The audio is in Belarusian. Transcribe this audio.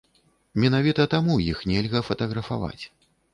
Менавіта таму іх нельга фатаграфаваць.